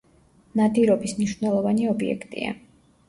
ნადირობის მნიშვნელოვანი ობიექტია.